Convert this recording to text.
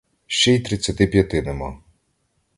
Ще й тридцяти п'яти нема.